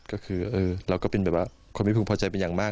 ก็คือเราก็เป็นแบบว่าคนที่พึงพอใจเป็นอย่างมาก